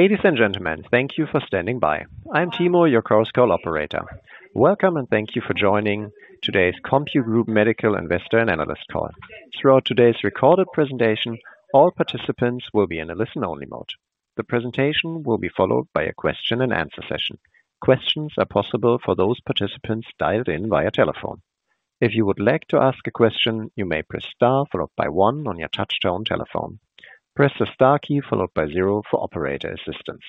Ladies and gentlemen, thank you for standing by. I'm Timo, your Chorus Call operator. Welcome, and thank you for joining today's CompuGroup Medical Investor and Analyst Call. Throughout today's recorded presentation, all participants will be in a listen-only mode. The presentation will be followed by a question-and-answer session. Questions are possible for those participants dialed in via telephone. If you would like to ask a question, you may press Star followed by one on your touchtone telephone. Press the Star key followed by zero for operator assistance.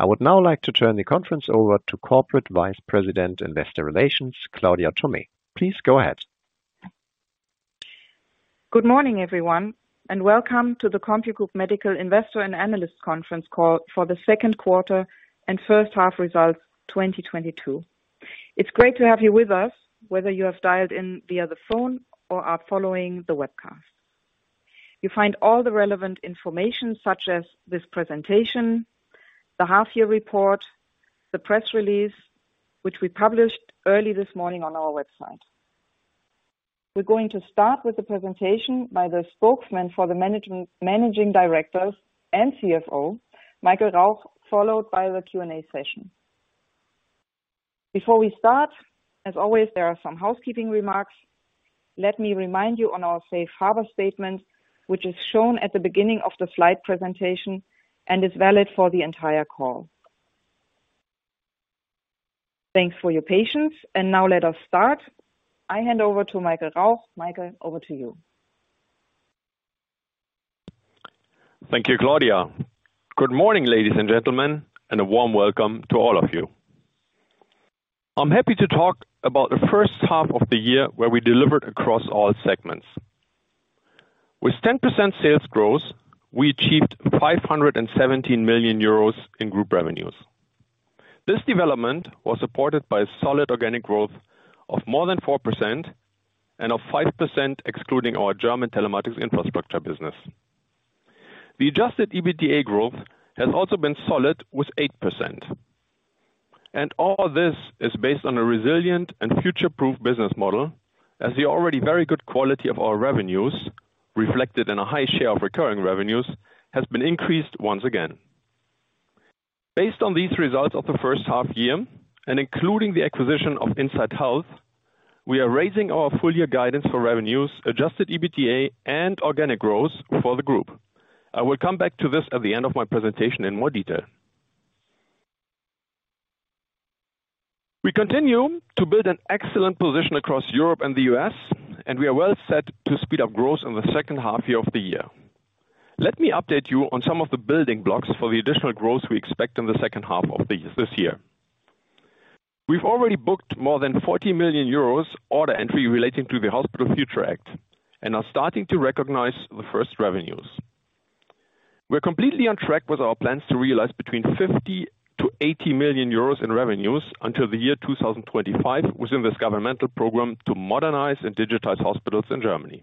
I would now like to turn the conference over to Corporate Vice President, Investor Relations, Claudia Thomé. Please go ahead. Good morning, everyone, and welcome to the CompuGroup Medical Investor and Analyst Conference Call for the second quarter and first half results 2022. It's great to have you with us, whether you have dialed in via the phone or are following the webcast. You find all the relevant information, such as this presentation, the half year report, the press release, which we published early this morning on our website. We're going to start with the presentation by the spokesman for the managing directors and CFO, Michael Rauch, followed by the Q&A session. Before we start, as always, there are some housekeeping remarks. Let me remind you on our safe harbor statement, which is shown at the beginning of the slide presentation and is valid for the entire call. Thanks for your patience. Now let us start. I hand over to Michael Rauch. Michael, over to you. Thank you, Claudia. Good morning, ladies and gentlemen, and a warm welcome to all of you. I'm happy to talk about the first half of the year where we delivered across all segments. With 10% sales growth, we achieved 517 million euros in group revenues. This development was supported by solid organic growth of more than 4% and of 5% excluding our German telematics infrastructure business. The Adjusted EBITDA growth has also been solid with 8%. All this is based on a resilient and future-proof business model as the already very good quality of our revenues, reflected in a high share of recurring revenues, has been increased once again. Based on these results of the first half year and including the acquisition of Insight Health, we are raising our full year guidance for revenues, Adjusted EBITDA and organic growth for the group. I will come back to this at the end of my presentation in more detail. We continue to build an excellent position across Europe and the U.S., and we are well set to speed up growth in the second half year of the year. Let me update you on some of the building blocks for the additional growth we expect in the second half of this year. We've already booked more than 40 million euros order entry relating to the Hospital Future Act and are starting to recognize the first revenues. We're completely on track with our plans to realize between 50 million-80 million euros in revenues until the year 2025 within this governmental program to modernize and digitize hospitals in Germany.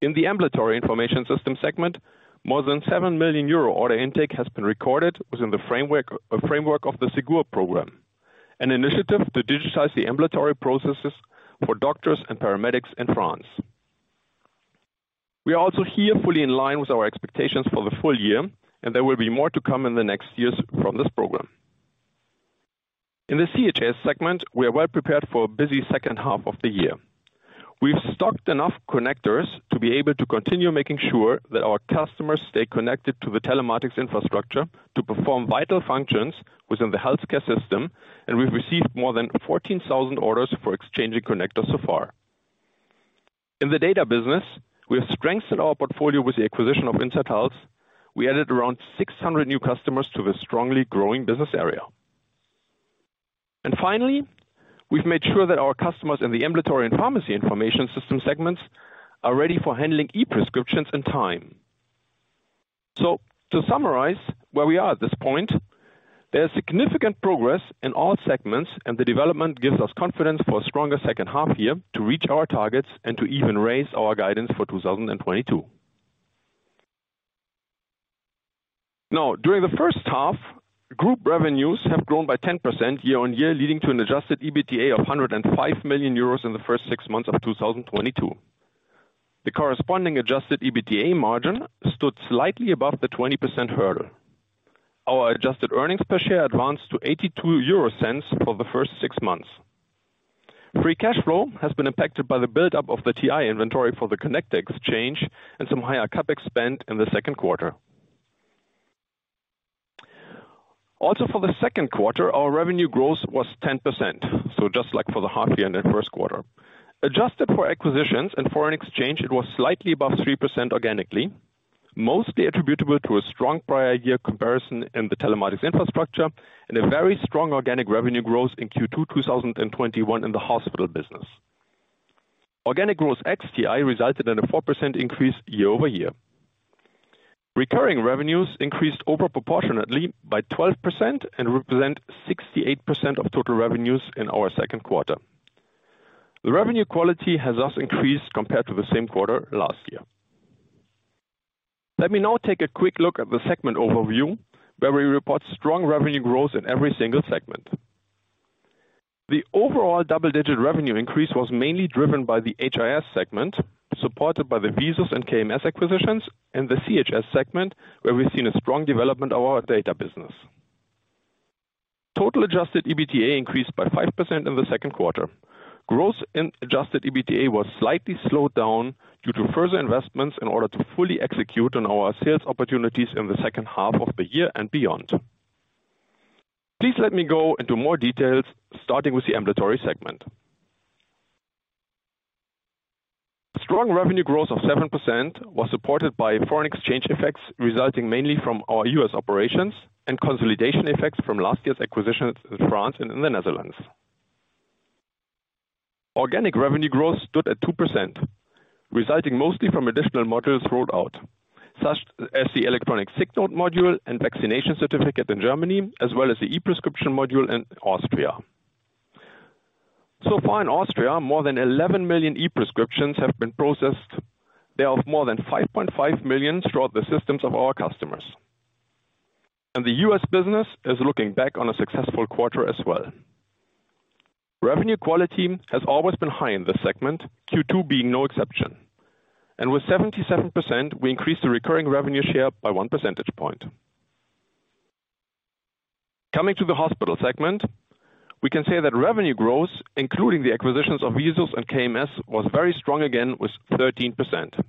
In the ambulatory information system segment, more than 7 million euro order intake has been recorded within the framework of the Ségur program, an initiative to digitize the ambulatory processes for doctors and paramedics in France. We are also here fully in line with our expectations for the full year, and there will be more to come in the next years from this program. In the CHS segment, we are well prepared for a busy second half of the year. We've stocked enough connectors to be able to continue making sure that our customers stay connected to the telematics infrastructure to perform vital functions within the healthcare system, and we've received more than 14,000 orders for exchanging connectors so far. In the data business, we have strengthened our portfolio with the acquisition of Insight Health. We added around 600 new customers to this strongly growing business area. Finally, we've made sure that our customers in the ambulatory and pharmacy information system segments are ready for handling e-prescriptions in time. To summarize where we are at this point, there is significant progress in all segments, and the development gives us confidence for a stronger second half year to reach our targets and to even raise our guidance for 2022. Now, during the first half, group revenues have grown by 10% year-over-year, leading to an Adjusted EBITDA of 105 million euros in the first six months of 2022. The corresponding Adjusted EBITDA margin stood slightly above the 20% hurdle. Our Adjusted earnings per share advanced to 0.82 for the first six months. Free cash flow has been impacted by the buildup of the TI inventory for the connect exchange and some higher CapEx spend in the second quarter. Also for the second quarter, our revenue growth was 10%, so just like for the half year and the first quarter. Adjusted for acquisitions and foreign exchange, it was slightly above 3% organically, mostly attributable to a strong prior year comparison in the telematics infrastructure and a very strong organic revenue growth in Q2 2021 in the hospital business. Organic growth ex TI resulted in a 4% increase year-over-year. Recurring revenues increased over proportionately by 12% and represent 68% of total revenues in our second quarter. The revenue quality has thus increased compared to the same quarter last year. Let me now take a quick look at the segment overview, where we report strong revenue growth in every single segment. The overall double-digit revenue increase was mainly driven by the HIS segment, supported by the VISUS and KMS acquisitions in the CHS segment, where we've seen a strong development of our data business. Total Adjusted EBITDA increased by 5% in the second quarter. Growth in Adjusted EBITDA was slightly slowed down due to further investments in order to fully execute on our sales opportunities in the second half of the year and beyond. Please let me go into more details, starting with the ambulatory segment. Strong revenue growth of 7% was supported by foreign exchange effects, resulting mainly from our U.S. operations and consolidation effects from last year's acquisitions in France and in the Netherlands. Organic revenue growth stood at 2%, resulting mostly from additional modules rolled out, such as the electronic sick note module and vaccination certificate in Germany, as well as the e-prescription module in Austria. So far in Austria, more than 11 million e-prescriptions have been processed. There are more than 5.5 million throughout the systems of our customers. The U.S. business is looking back on a successful quarter as well. Revenue quality has always been high in this segment, Q2 being no exception. With 77%, we increased the recurring revenue share by one percentage point. Coming to the hospital segment, we can say that revenue growth, including the acquisitions of VISUS and KMS, was very strong again, with 13%.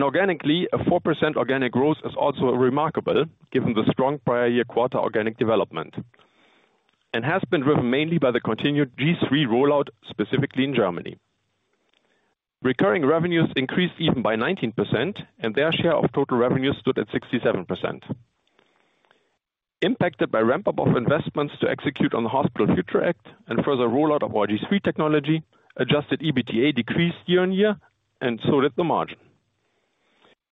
Organically, a 4% organic growth is also remarkable given the strong prior year quarter organic development, and has been driven mainly by the continued G3 rollout, specifically in Germany. Recurring revenues increased even by 19%, and their share of total revenues stood at 67%. Impacted by ramp-up of investments to execute on the Hospital Future Act and further rollout of our G3 technology, Adjusted EBITDA decreased year-on-year and so did the margin.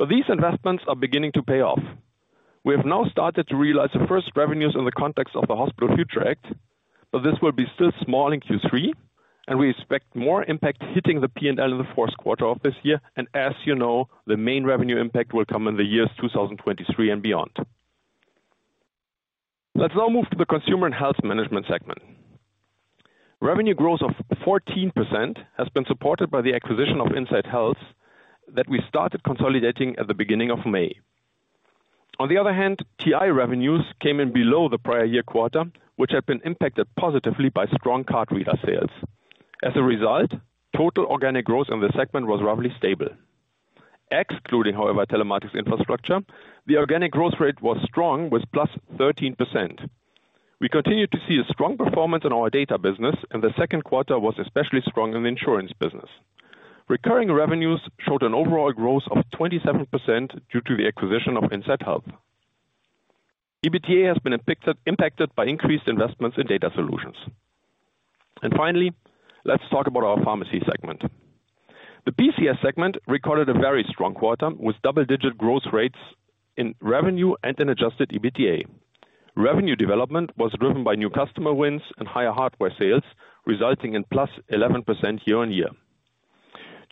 These investments are beginning to pay off. We have now started to realize the first revenues in the context of the Hospital Future Act, but this will be still small in Q3, and we expect more impact hitting the P&L in the fourth quarter of this year. As you know, the main revenue impact will come in the years 2023 and beyond. Let's now move to the consumer and health management segment. Revenue growth of 14% has been supported by the acquisition of Insight Health that we started consolidating at the beginning of May. On the other hand, TI revenues came in below the prior year quarter, which had been impacted positively by strong card reader sales. As a result, total organic growth in the segment was roughly stable. Excluding, however, Telematics Infrastructure, the organic growth rate was strong with +13%. We continued to see a strong performance in our data business, and the second quarter was especially strong in the insurance business. Recurring revenues showed an overall growth of 27% due to the acquisition of Insight Health. EBITDA has been impacted by increased investments in data solutions. Finally, let's talk about our pharmacy segment. The PCS segment recorded a very strong quarter with double-digit growth rates in revenue and in Adjusted EBITDA. Revenue development was driven by new customer wins and higher hardware sales, resulting in +11% year-on-year.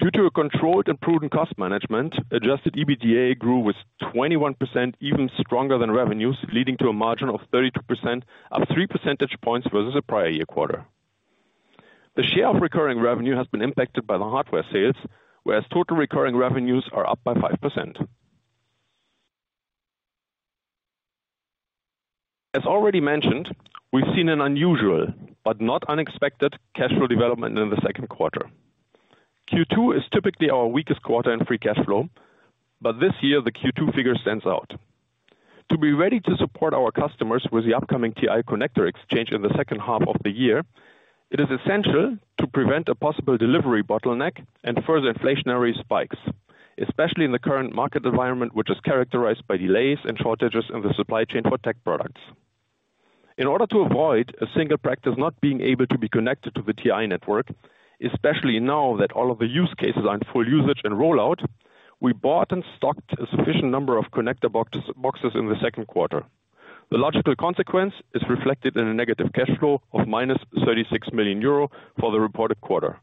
Due to a controlled and prudent cost management, Adjusted EBITDA grew with 21%, even stronger than revenues, leading to a margin of 32%, up three percentage points versus the prior year quarter. The share of recurring revenue has been impacted by the hardware sales, whereas total recurring revenues are up by 5%. As already mentioned, we've seen an unusual but not unexpected cash flow development in the second quarter. Q2 is typically our weakest quarter in free cash flow, but this year the Q2 figure stands out. To be ready to support our customers with the upcoming TI connector exchange in the second half of the year, it is essential to prevent a possible delivery bottleneck and further inflationary spikes, especially in the current market environment, which is characterized by delays and shortages in the supply chain for tech products. In order to avoid a single practice not being able to be connected to the TI network, especially now that all of the use cases are in full usage and rollout, we bought and stocked a sufficient number of connector boxes in the second quarter. The logical consequence is reflected in a negative cash flow of -36 million euro for the reported quarter.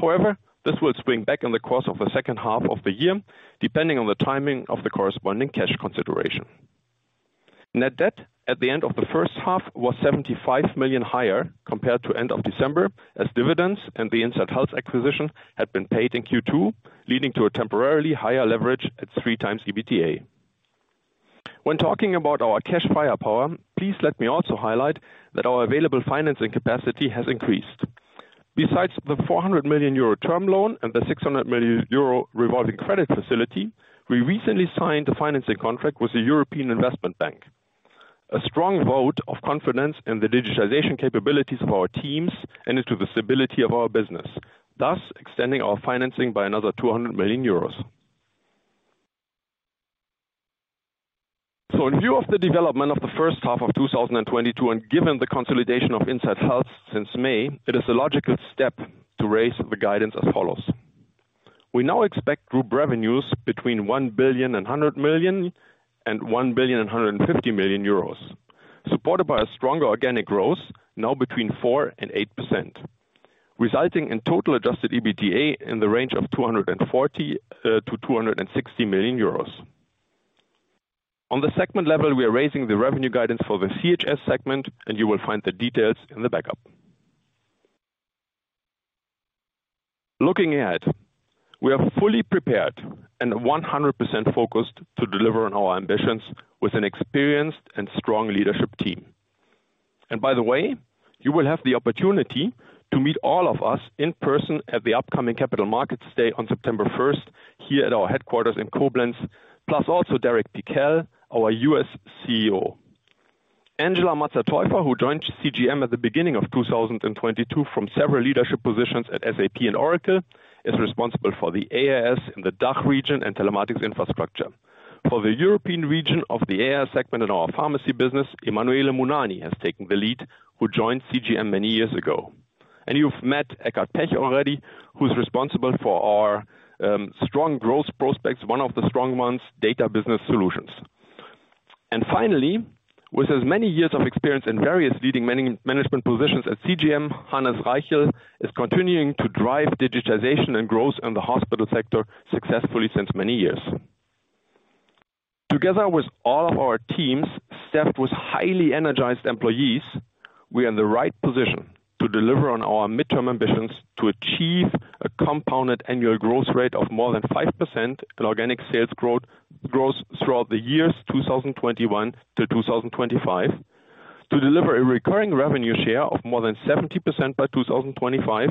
However, this will swing back in the course of the second half of the year, depending on the timing of the corresponding cash consideration. Net debt at the end of the first half was 75 million higher compared to end of December, as dividends and the Insight Health acquisition had been paid in Q2, leading to a temporarily higher leverage at 3x EBITDA. When talking about our cash firepower, please let me also highlight that our available financing capacity has increased. Besides the 400 million euro term loan and the 600 million euro revolving credit facility, we recently signed a financing contract with the European Investment Bank, a strong vote of confidence in the digitization capabilities of our teams and into the stability of our business, thus extending our financing by another 200 million euros. In view of the development of the first half of 2022, and given the consolidation of Insight Health since May, it is a logical step to raise the guidance as follows. We now expect group revenues between 1.1 billion and 1.15 billion, supported by a stronger organic growth, now between 4% and 8%, resulting in total Adjusted EBITDA in the range of 240 million-260 million euros. On the segment level, we are raising the revenue guidance for the CHS segment, and you will find the details in the backup. Looking ahead, we are fully prepared and 100% focused to deliver on our ambitions with an experienced and strong leadership team. By the way, you will have the opportunity to meet all of us in person at the upcoming Capital Markets Day on September 1st, here at our headquarters in Koblenz, plus also Derek Pickell, our U.S. CEO. Angela Mazza Teufer, who joined CGM at the beginning of 2022 from several leadership positions at SAP and Oracle, is responsible for the AIS in the DACH region and telematics infrastructure. For the European region of the AR segment in our pharmacy business, Emanuele Mugnani has taken the lead, who joined CGM many years ago. You've met Eckart Pech already, who's responsible for our strong growth prospects, one of the strong ones, data business solutions. Finally, with his many years of experience in various leading man-management positions at CGM, Hannes Reichl is continuing to drive digitization and growth in the hospital sector successfully since many years. Together with all of our teams, staffed with highly energized employees, we are in the right position to deliver on our midterm ambitions to achieve a compounded annual growth rate of more than 5% in organic sales growth throughout the years 2021 to 2025. To deliver a recurring revenue share of more than 70% by 2025.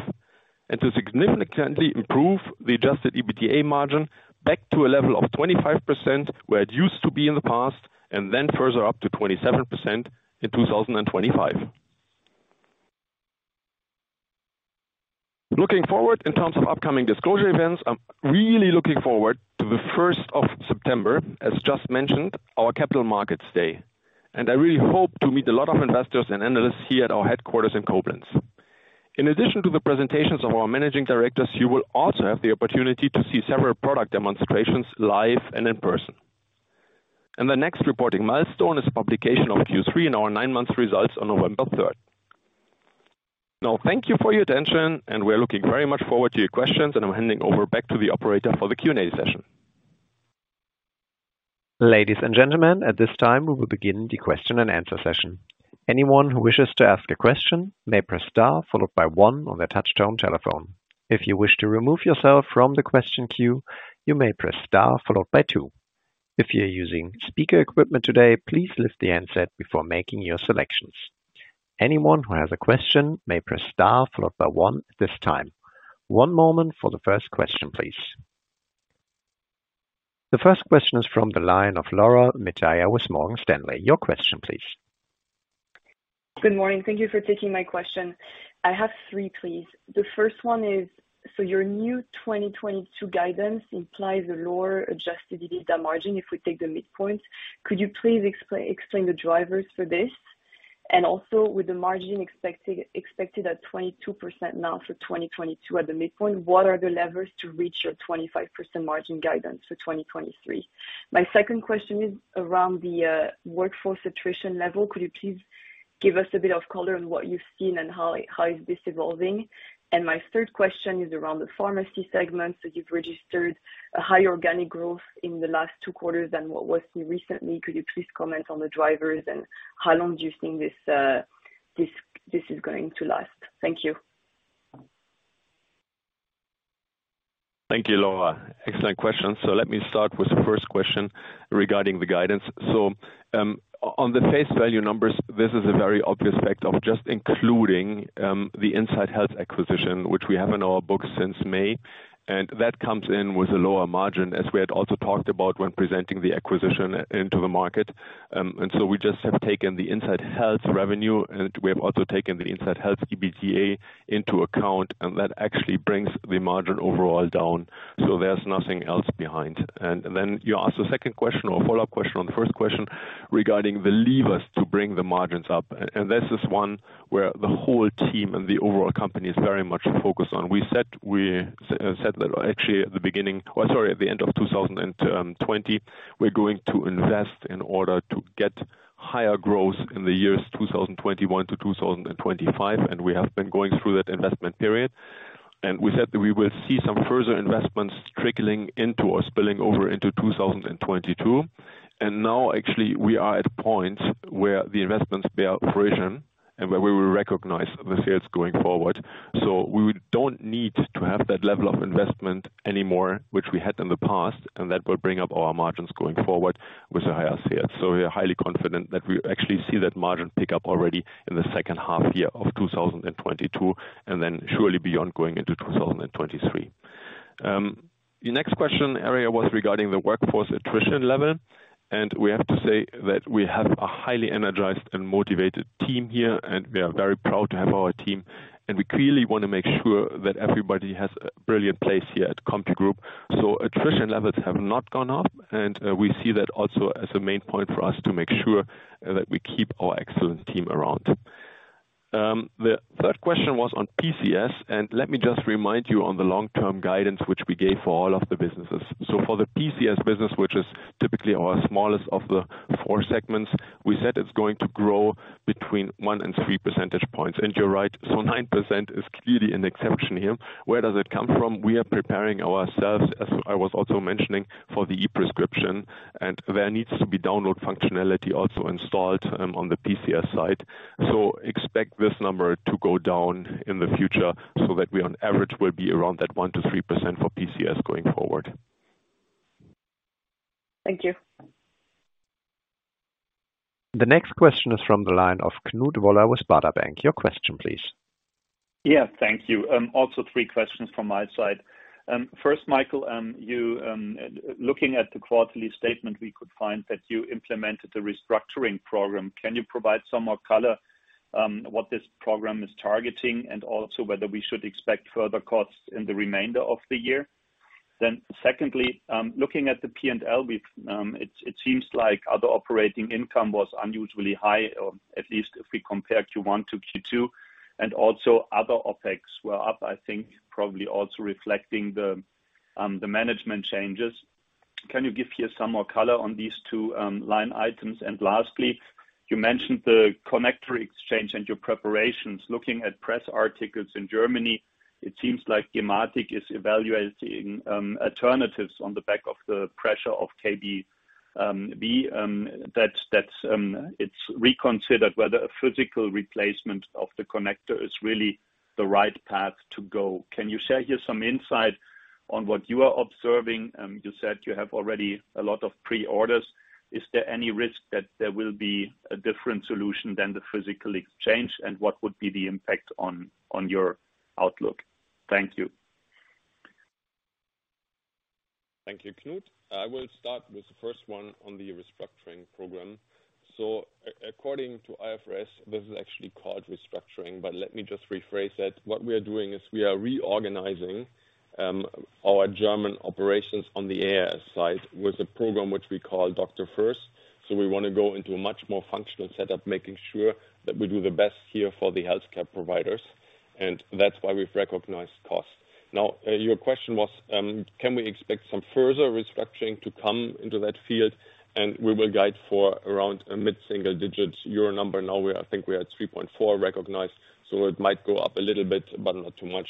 To significantly improve the Adjusted EBITDA margin back to a level of 25%, where it used to be in the past, and then further up to 27% in 2025. Looking forward in terms of upcoming disclosure events, I'm really looking forward to the 1st of September, as just mentioned, our Capital Markets Day. I really hope to meet a lot of investors and analysts here at our headquarters in Koblenz. In addition to the presentations of our managing directors, you will also have the opportunity to see several product demonstrations live and in person. The next reporting milestone is the publication of Q3 and our nine-month results on November third. Now, thank you for your attention, and we are looking very much forward to your questions, and I'm handing over back to the operator for the Q&A session. Ladies and gentlemen, at this time, we will begin the question-and-answer session. Anyone who wishes to ask a question may press star followed by one on their touchtone telephone. If you wish to remove yourself from the question queue, you may press star followed by two. If you're using speaker equipment today, please lift the handset before making your selections. Anyone who has a question may press star followed by one at this time. One moment for the first question, please. The first question is from the line of Laura Metayer with Morgan Stanley. Your question, please. Good morning. Thank you for taking my question. I have three, please. The first one is, your new 2022 guidance implies a lower Adjusted EBITDA margin if we take the midpoint. Could you please explain the drivers for this? And also, with the margin expected at 22% now for 2022 at the midpoint, what are the levers to reach your 25% margin guidance for 2023? My second question is around the workforce attrition level. Could you please give us a bit of color on what you've seen and how is this evolving? And my third question is around the pharmacy segment. You've registered a high organic growth in the last two quarters than what was recently. Could you please comment on the drivers and how long do you think this is going to last? Thank you. Thank you, Laura. Excellent questions. Let me start with the first question regarding the guidance. On the face value numbers, this is a very obvious effect of just including the Insight Health acquisition, which we have in our books since May. That comes in with a lower margin, as we had also talked about when presenting the acquisition into the market. We just have taken the Insight Health revenue, and we have also taken the Insight Health EBITDA into account, and that actually brings the margin overall down. There's nothing else behind. Then you asked a second question or a follow-up question on the first question regarding the levers to bring the margins up. This is one where the whole team and the overall company is very much focused on. We said that actually at the end of 2020, we're going to invest in order to get higher growth in the years 2021 to 2025, and we have been going through that investment period. We said that we will see some further investments trickling into or spilling over into 2022. Now actually we are at a point where the investments bear fruition and where we will recognize the sales going forward. We don't need to have that level of investment anymore, which we had in the past, and that will bring up our margins going forward with the higher sales. We are highly confident that we actually see that margin pick up already in the second half year of 2022 and then surely beyond going into 2023. Your next question area was regarding the workforce attrition level, and we have to say that we have a highly energized and motivated team here, and we are very proud to have our team, and we clearly want to make sure that everybody has a brilliant place here at CompuGroup. Attrition levels have not gone up, and we see that also as a main point for us to make sure that we keep our excellent team around. The third question was on PCS, and let me just remind you on the long-term guidance which we gave for all of the businesses. For the PCS business, which is typically our smallest of the four segments, we said it's going to grow between 1 and 3 percentage points. You're right. 9% is clearly an exception here. Where does it come from? We are preparing ourselves, as I was also mentioning, for the e-prescription, and there needs to be download functionality also installed on the PCS side. Expect this number to go down in the future so that we on average will be around that 1%-3% for PCS going forward. Thank you. The next question is from the line of Knut Woller with Baader Bank. Your question please. Yeah. Thank you. Also three questions from my side. First, Michael, you looking at the quarterly statement, we could find that you implemented the restructuring program. Can you provide some more color what this program is targeting and also whether we should expect further costs in the remainder of the year? Secondly, looking at the P&L, it seems like other operating income was unusually high, or at least if we compare Q1 to Q2 and also other OpEx were up, I think probably also reflecting the management changes. Can you give here some more color on these two line items? Lastly, you mentioned the connector exchange and your preparations. Looking at press articles in Germany, it seems like gematik is evaluating alternatives on the back of the pressure of KBV, B. That's reconsidered whether a physical replacement of the connector is really the right path to go. Can you share here some insight on what you are observing? You said you have already a lot of pre-orders. Is there any risk that there will be a different solution than the physical exchange, and what would be the impact on your outlook? Thank you. Thank you, Knut. I will start with the first one on the restructuring program. According to IFRS, this is actually called restructuring, but let me just rephrase that. What we are doing is we are reorganizing our German operations on the AIS side with a program which we call Doctor First. We want to go into a much more functional setup, making sure that we do the best here for the healthcare providers, and that's why we've recognized costs. Now, your question was, can we expect some further restructuring to come into that field? We will guide for around a mid-single digits EUR number. Now we are. I think we're at 3.4 recognized, so it might go up a little bit, but not too much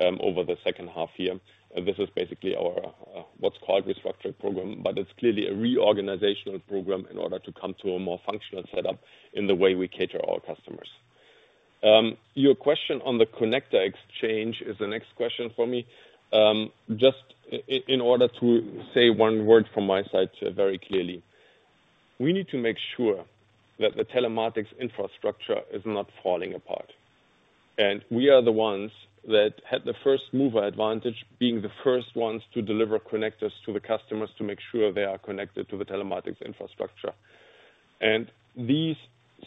over the second half year. This is basically our what's called restructuring program, but it's clearly a reorganizational program in order to come to a more functional setup in the way we cater our customers. Your question on the connector exchange is the next question for me. Just in order to say one word from my side, very clearly. We need to make sure that the telematics infrastructure is not falling apart. We are the ones that had the first mover advantage, being the first ones to deliver connectors to the customers to make sure they are connected to the telematics infrastructure. These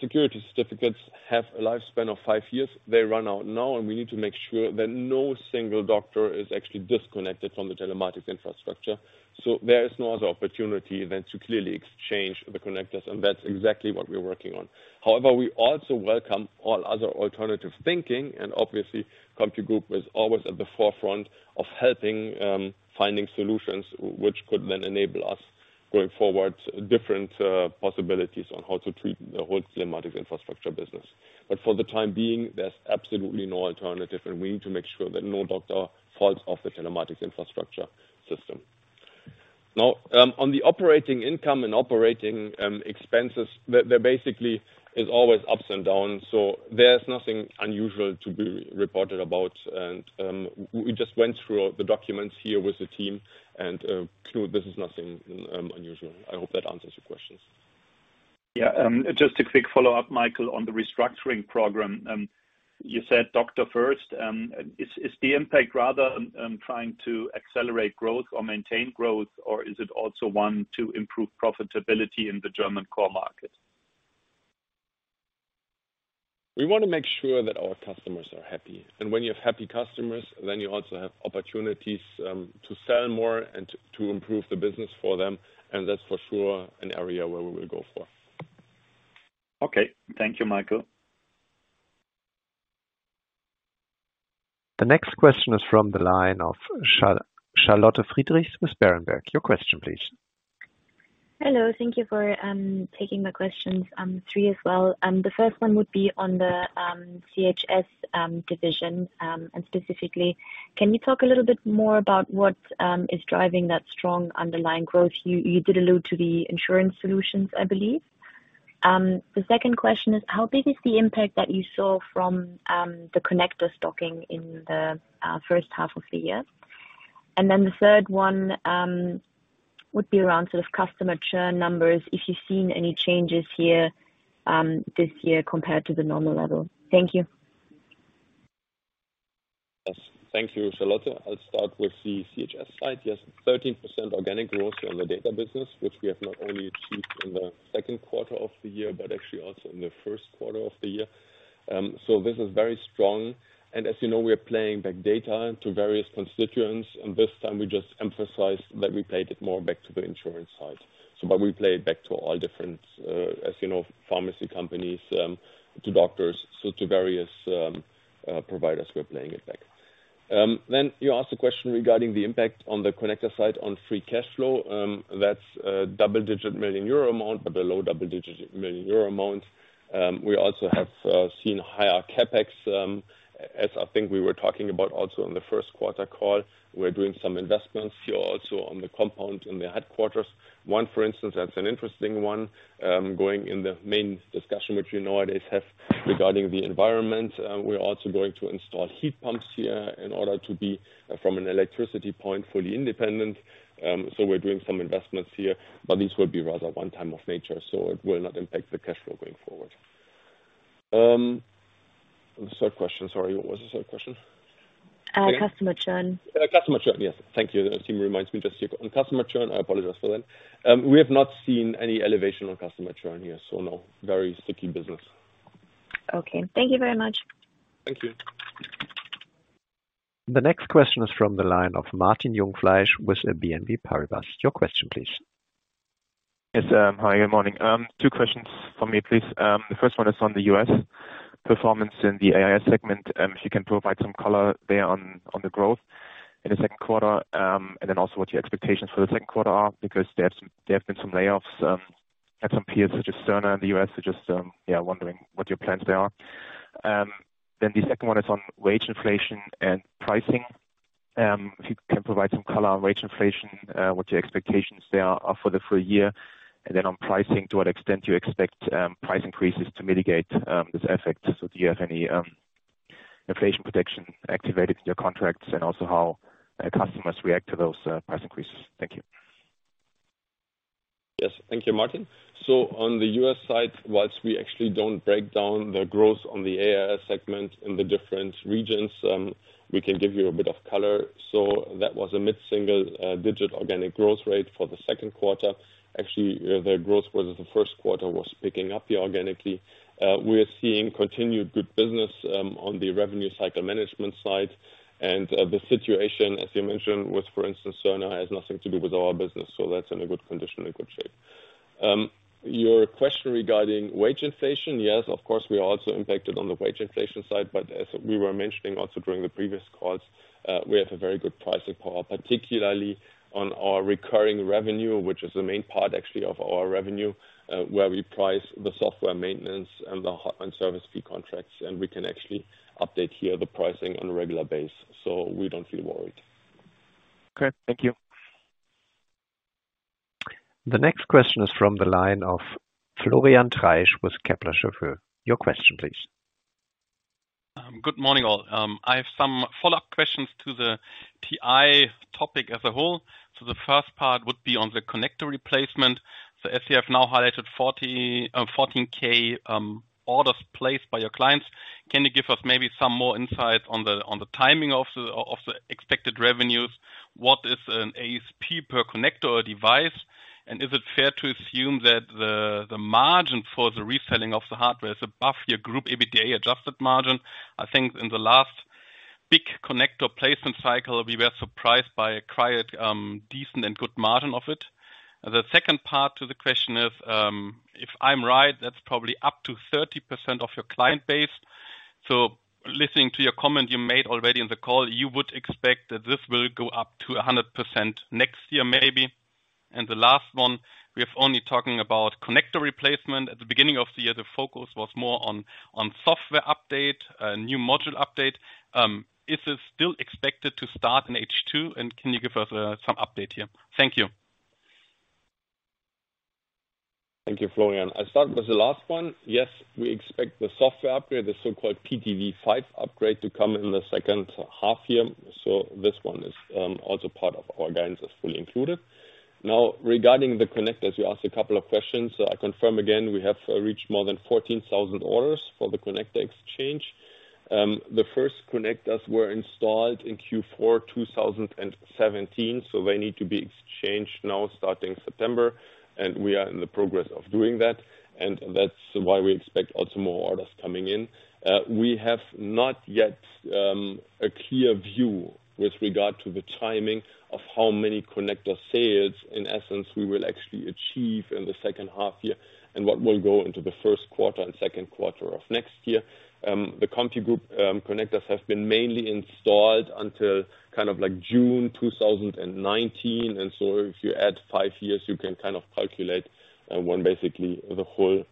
security certificates have a lifespan of five years. They run out now, and we need to make sure that no single doctor is actually disconnected from the telematics infrastructure. There is no other opportunity than to clearly exchange the connectors, and that's exactly what we're working on. However, we also welcome all other alternative thinking, and obviously, CompuGroup Medical was always at the forefront of helping, finding solutions which could then enable us going forward different possibilities on how to treat the whole telematics infrastructure business. For the time being, there's absolutely no alternative, and we need to make sure that no doctor falls off the telematics infrastructure system. Now, on the operating income and operating expenses, there basically is always ups and downs, so there's nothing unusual to be reported about. We just went through the documents here with the team and, Knut, this is nothing unusual. I hope that answers your questions. Yeah. Just a quick follow-up, Michael, on the restructuring program. You said Doctor First is the impact rather trying to accelerate growth or maintain growth, or is it also one to improve profitability in the German core market? We want to make sure that our customers are happy. When you have happy customers, then you also have opportunities to sell more and to improve the business for them. That's for sure an area where we will go for. Okay. Thank you, Michael. The next question is from the line of Charlotte Friedrichs with Berenberg. Your question please. Hello. Thank you for taking my questions, three as well. The first one would be on the CHS division. Specifically, can you talk a little bit more about what is driving that strong underlying growth? You did allude to the insurance solutions, I believe. The second question is how big is the impact that you saw from the connector stocking in the first half of the year? Then the third one would be around sort of customer churn numbers if you've seen any changes here this year compared to the normal level. Thank you. Yes. Thank you, Charlotte. I'll start with the CHS side. Yes, 13% organic growth on the data business, which we have not only achieved in the second quarter of the year, but actually also in the first quarter of the year. This is very strong. As you know, we are playing back data to various constituents, and this time we just emphasize that we played it more back to the insurance side. But we play it back to all different, as you know, pharmacy companies, to doctors, so to various, providers, we're playing it back. You asked a question regarding the impact on the connector side on free cash flow. That's a double-digit million euro amount, but a low double-digit million euro amount. We also have seen higher CapEx, as I think we were talking about also on the first quarter call. We're doing some investments here also on the compound in the headquarters. One, for instance, that's an interesting one, going in the main discussion which we nowadays have regarding the environment. We're also going to install heat pumps here in order to be, from an electricity point, fully independent. We're doing some investments here, but these will be rather one-time in nature, so it will not impact the cash flow going forward. The third question, sorry, what was the third question? Customer churn. Customer churn. Yes. Thank you. The team reminds me just here. On customer churn, I apologize for that. We have not seen any elevation on customer churn here, so no, very sticky business. Okay. Thank you very much. Thank you. The next question is from the line of Martin Jungfleisch with BNP Paribas. Your question please. Yes. Hi, good morning. Two questions from me, please. The first one is on the U.S. performance in the AIS segment. If you can provide some color there on the growth in the second quarter, and then also what your expectations for the second quarter are because there have been some layoffs at some peers such as Cerner in the U.S. Just wondering what your plans there are. Then the second one is on wage inflation and pricing. If you can provide some color on wage inflation, what your expectations there are for the full year. Then on pricing, to what extent do you expect price increases to mitigate this effect? Do you have any inflation protection activated in your contracts? How customers react to those price increases? Thank you. Yes. Thank you, Martin. While we actually don't break down the growth on the AIS segment in the different regions, we can give you a bit of color. That was a mid-single digit organic growth rate for the second quarter. Actually, the growth for the first quarter was picking up here organically. We're seeing continued good business on the revenue cycle management side. The situation, as you mentioned, with, for instance, Cerner has nothing to do with our business, so that's in a good condition, in good shape. Your question regarding wage inflation. Yes, of course, we are also impacted on the wage inflation side, but as we were mentioning also during the previous calls, we have a very good pricing power, particularly on our recurring revenue, which is the main part actually of our revenue, where we price the software maintenance and the hardware and service fee contracts, and we can actually update here the pricing on a regular basis. We don't feel worried. Okay. Thank you. The next question is from the line of Florian Treisch with Kepler Cheuvreux. Your question please. Good morning all. I have some follow-up questions to the TI topic as a whole. The first part would be on the connector replacement. As you have now highlighted 14K orders placed by your clients, can you give us maybe some more insight on the timing of the expected revenues? What is an ASP per connector or device? And is it fair to assume that the margin for the reselling of the hardware is above your group EBITDA adjusted margin? I think in the last big connector placement cycle, we were surprised by a quite decent and good margin of it. The second part to the question is, if I'm right, that's probably up to 30% of your client base. Listening to your comment you made already in the call, you would expect that this will go up to 100% next year, maybe. The last one, we're only talking about connector replacement. At the beginning of the year, the focus was more on software update, new module update. Is it still expected to start in H2? Can you give us some update here? Thank you. Thank you, Florian. I'll start with the last one. Yes, we expect the software upgrade, the so-called PTV5 upgrade, to come in the second half year. This one is also part of our guidance, is fully included. Now, regarding the connectors, you asked a couple of questions. I confirm again, we have reached more than 14,000 orders for the connector exchange. The first connectors were installed in Q4 2017, so they need to be exchanged now starting September, and we are in the process of doing that. That's why we expect also more orders coming in. We have not yet a clear view with regard to the timing of how many connector sales, in essence, we will actually achieve in the second half year and what will go into the first quarter and second quarter of next year. The CompuGroup connectors have been mainly installed until kind of like June 2019. If you add five years, you can kind of calculate when basically the whole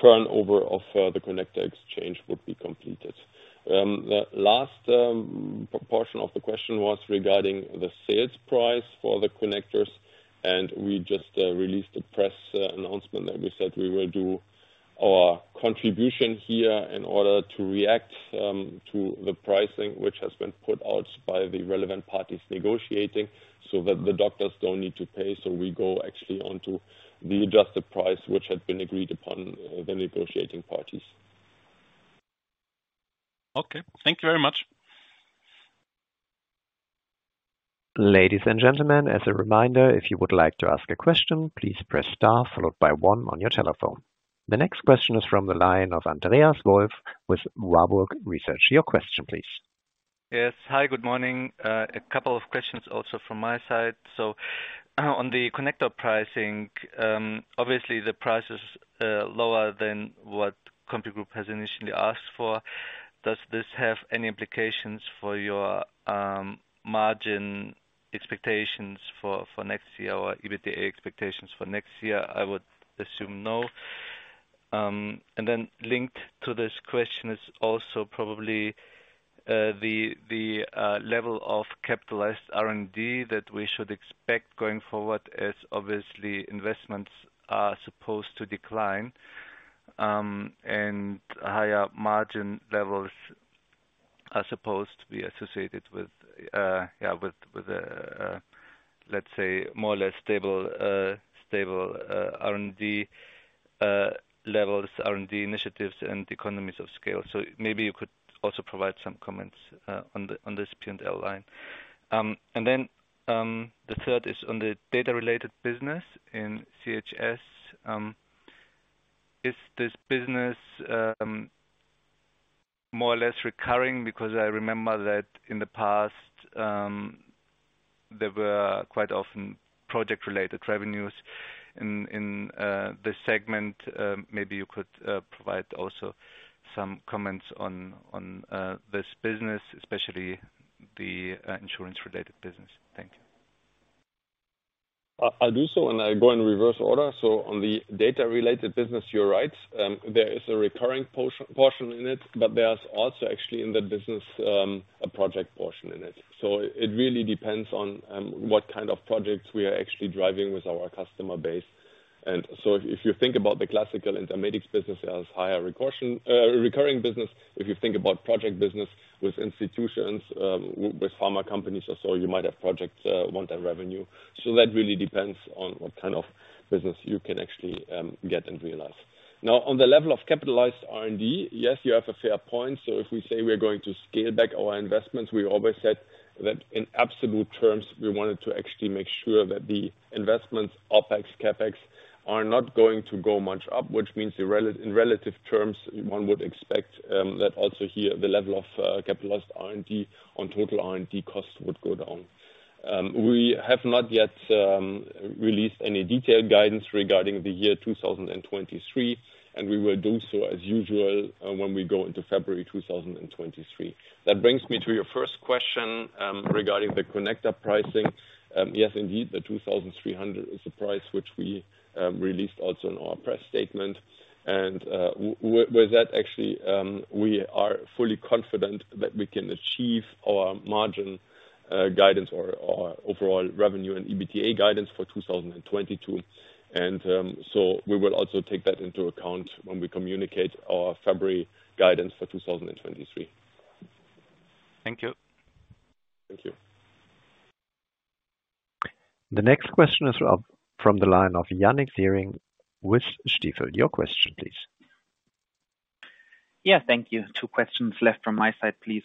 turnover of the connector exchange would be completed. The last portion of the question was regarding the sales price for the connectors, and we just released a press announcement that we said we will do our contribution here in order to react to the pricing which has been put out by the relevant parties negotiating so that the doctors don't need to pay. We go actually onto the adjusted price, which had been agreed upon, the negotiating parties. Okay. Thank you very much. Ladies and gentlemen, as a reminder, if you would like to ask a question, please press star followed by one on your telephone. The next question is from the line of Andreas Wolf with Warburg Research. Your question please. Yes. Hi, good morning. A couple of questions also from my side. On the connector pricing, obviously the price is lower than what CompuGroup Medical has initially asked for. Does this have any implications for your margin expectations for next year or EBITDA expectations for next year? I would assume no. Linked to this question is also probably the level of capitalized R&D that we should expect going forward as obviously investments are supposed to decline, and higher margin levels are supposed to be associated with let's say more or less stable R&D levels, R&D initiatives and economies of scale. Maybe you could also provide some comments on this P&L line. The third is on the data-related business in CHS. Is this business more or less recurring? Because I remember that in the past, there were quite often project-related revenues in this segment. Maybe you could provide also some comments on this business, especially the insurance-related business. Thank you. I'll do so, and I go in reverse order. On the data-related business, you're right. There is a recurring portion in it, but there's also actually in that business, a project portion in it. It really depends on what kind of projects we are actually driving with our customer base. If you think about the classical Intermedix business as higher recurring business, if you think about project business with institutions, with pharma companies or so, you might have projects, one-time revenue. That really depends on what kind of business you can actually get and realize. Now, on the level of capitalized R&D, yes, you have a fair point. If we say we are going to scale back our investments, we always said that in absolute terms, we wanted to actually make sure that the investments, OpEx, CapEx are not going to go much up, which means in relative terms, one would expect that also here, the level of capitalized R&D on total R&D costs would go down. We have not yet released any detailed guidance regarding the year 2023, and we will do so as usual when we go into February 2023. That brings me to your first question regarding the connect up pricing. Yes, indeed, the 2,300 is the price which we released also in our press statement. With that, actually, we are fully confident that we can achieve our margin guidance or overall revenue and EBITDA guidance for 2022. We will also take that into account when we communicate our February guidance for 2023. Thank you. Thank you. The next question is from the line of Yannik Siering with Stifel. Your question, please. Yeah, thank you. Two questions left from my side, please.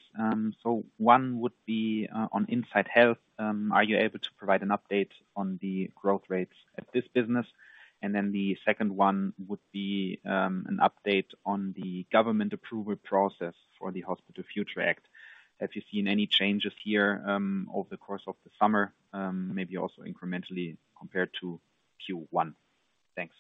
One would be on Insight Health. Are you able to provide an update on the growth rates at this business? The second one would be an update on the government approval process for the Hospital Future Act. Have you seen any changes here, over the course of the summer, maybe also incrementally compared to Q1? Thanks.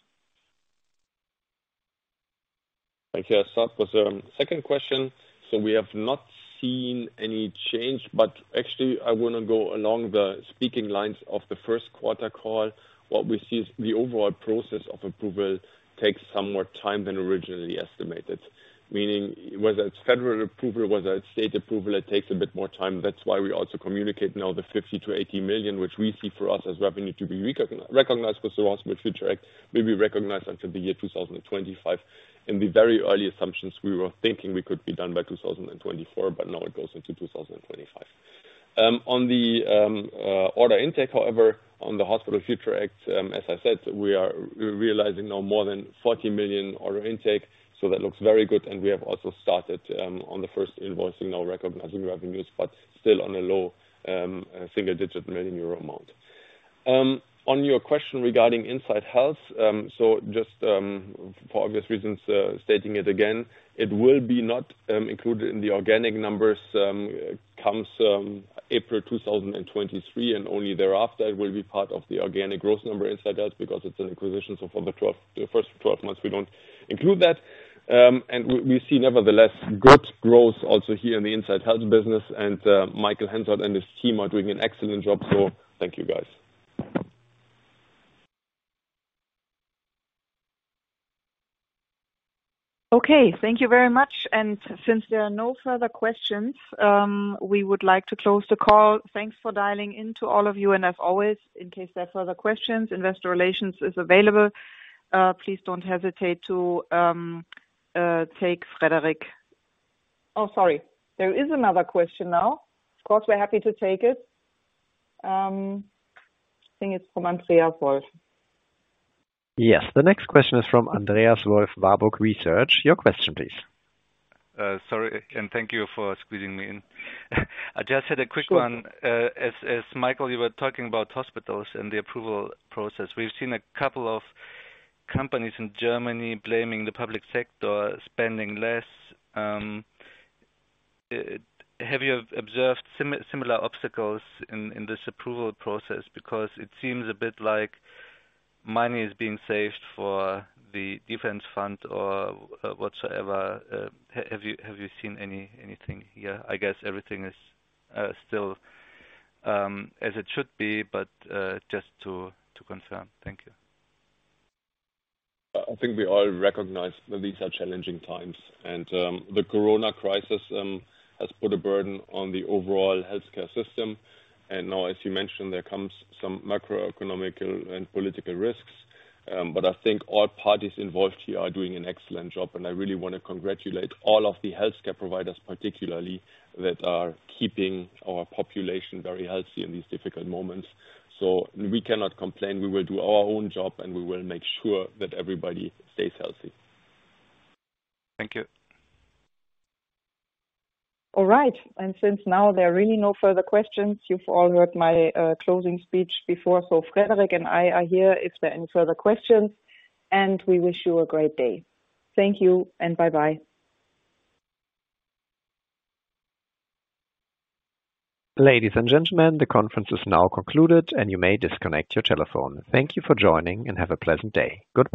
Thank you. I'll start with the second question. We have not seen any change, but actually, I wanna go along the same lines of the first quarter call. What we see is the overall process of approval takes some more time than originally estimated. Meaning whether it's federal approval, whether it's state approval, it takes a bit more time. That's why we also communicate now the 50 million-80 million, which we see for us as revenue to be recognized for the Hospital Future Act, will be recognized until the year 2025. In the very early assumptions, we were thinking we could be done by 2024, but now it goes into 2025. On the order intake, however, on the Hospital Future Act, as I said, we are realizing now more than 40 million order intake, so that looks very good. We have also started on the first invoicing now recognizing revenues, but still on a low single-digit euro million amount. On your question regarding Insight Health, so just for obvious reasons, stating it again, it will be not included in the organic numbers, comes April 2023, and only thereafter it will be part of the organic growth number Insight Health, because it's an acquisition. For the first 12 months, we don't include that. We see, nevertheless, good growth also here in the Insight Health business. Michael Rauch and his team are doing an excellent job. Thank you, guys. Okay. Thank you very much. Since there are no further questions, we would like to close the call. Thanks for dialing in to all of you. As always, in case there are further questions, investor relations is available. Oh, sorry. There is another question now. Of course, we're happy to take it. I think it's from Andreas Wolf. Yes. The next question is from Andreas Wolf, Warburg Research. Your question, please. Sorry, thank you for squeezing me in. I just had a quick one. As Michael, you were talking about hospitals and the approval process. We've seen a couple of companies in Germany blaming the public sector, spending less. Have you observed similar obstacles in this approval process? Because it seems a bit like money is being saved for the defense fund or whatsoever. Have you seen anything here? I guess everything is still as it should be, but just to confirm. Thank you. I think we all recognize that these are challenging times, and the Corona crisis has put a burden on the overall healthcare system. Now, as you mentioned, there comes some macroeconomic and political risks. I think all parties involved here are doing an excellent job, and I really wanna congratulate all of the healthcare providers, particularly that are keeping our population very healthy in these difficult moments. We cannot complain. We will do our own job, and we will make sure that everybody stays healthy. Thank you. All right. Since now there are really no further questions, you've all heard my closing speech before. Frederic and I are here if there are any further questions, and we wish you a great day. Thank you, and bye-bye. Ladies and gentlemen, the conference is now concluded, and you may disconnect your telephone. Thank you for joining, and have a pleasant day. Goodbye.